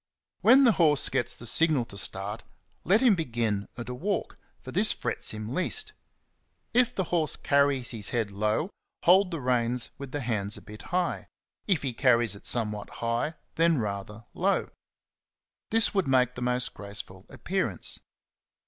When the horse gets the signal to start, let him begin at a walk, for this frets him least. If the horse carries his head low, hold the reins with the hands a bit high ; if he carries it somewhat high, then rather low: this would make the most graceful appearance.